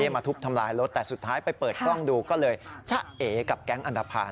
มาทุบทำลายรถแต่สุดท้ายไปเปิดกล้องดูก็เลยชะเอกับแก๊งอันตภัณฑ์